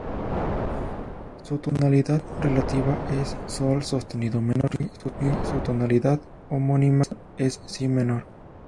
Su tonalidad relativa es Sol sostenido menor, y su tonalidad homónima es Si menor.